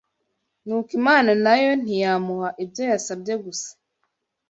Nuko Imana nayo ntiyamuha ibyo yasabye gusa